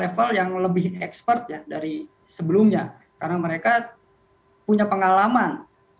level yang lebih expert ya dari sebelumnya karena mereka punya pengalaman